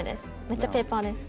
めっちゃペーパーです。